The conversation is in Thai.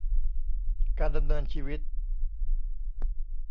การดำเนินชีวิต